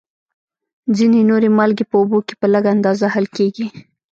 ځینې نورې مالګې په اوبو کې په لږ اندازه حل کیږي.